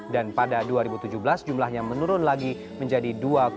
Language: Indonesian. dan pada dua ribu tujuh belas jumlahnya menurun lagi menjadi dua enam